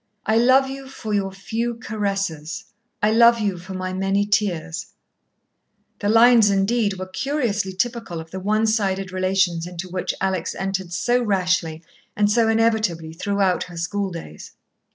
"I love you for your few caresses, I love you for my many tears" The lines, indeed, were curiously typical of the one sided relations into which Alex entered so rashly and so inevitably throughout her schooldays.